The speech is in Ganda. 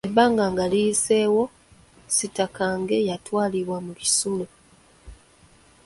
Ebbanga nga liyiseewo Sitakange yatwalibwa mu kisulo.